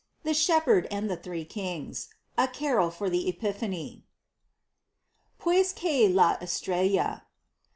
THE SHEPHERD AND THE THREE KINGS. A CAROL FOR THE EPIPHANY. Pues que la estrella.